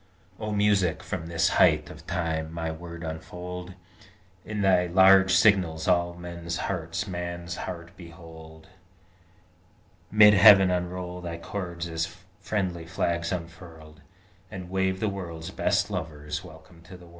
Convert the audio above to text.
O Music, from this height of time my Word unfold: In thy large signals all men's hearts Man's heart behold: Mid heaven unroll thy chords as friendly flags unfurled, And wave the world's best lover's welcome to the world.